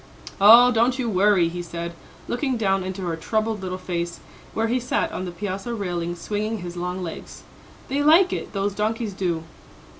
"Oh, don't you worry," he said, looking down into her troubled little face where he sat on the piazza railing swinging his long legs, "they like it, those donkeys do!"